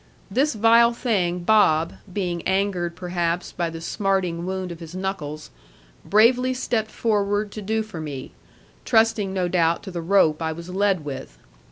This vile thing Bob, being angered perhaps by the smarting wound of his knuckles, bravely stepped forward to do for me, trusting no doubt to the rope I was led with.